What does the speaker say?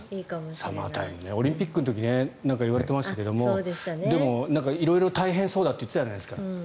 オリンピックの時言われてましたけどでも、色々大変そうだと言ってたじゃないですか。